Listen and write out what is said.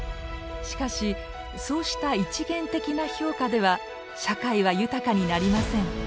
しかしそうした一元的な評価では社会は豊かになりません。